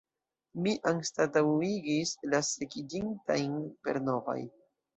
Mi anstataŭigis la sekiĝintajn per novaj.